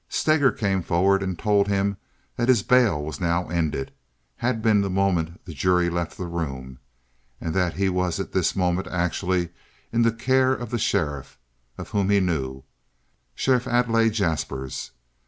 Steger came forward and told him that his bail was now ended—had been the moment the jury left the room—and that he was at this moment actually in the care of the sheriff, of whom he knew—Sheriff Adlai Jaspers.